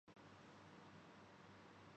Dollar سستا ہے۔